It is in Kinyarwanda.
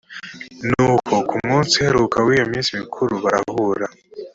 ni uko ku munsi uheruka w’iyo minsi mikuru barahura